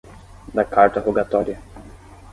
Da Carta Rogatória